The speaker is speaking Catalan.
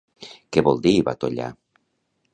Què vol dir batollar?